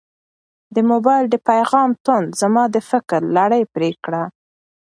د موبایل د پیغام ټون زما د فکر لړۍ پرې کړه.